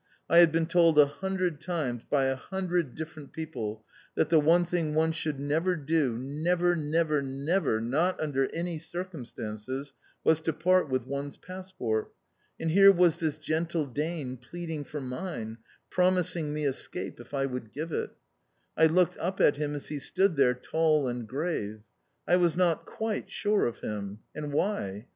I had been told a hundred times by a hundred different people that the one thing one should never do, never, never, never, not under any circumstances, was to part with one's passport. And here was this gentle Dane pleading for mine, promising me escape if I would give it. I looked up at him as he stood there, tall and grave. I was not quite sure of him. And why?